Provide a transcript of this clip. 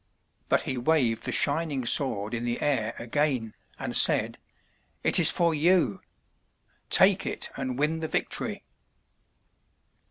But he waved the shining sword in the air again, and said: "It is for you! Take it, and win the victory!"